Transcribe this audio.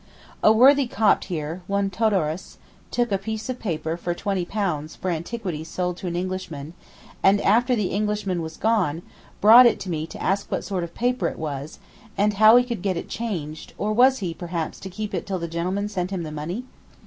A worthy Copt here, one Todorus, took 'a piece of paper' for £20 for antiquities sold to an Englishman, and after the Englishman was gone, brought it to me to ask what sort of paper it was, and how he could get it changed, or was he, perhaps, to keep it till the gentleman sent him the money?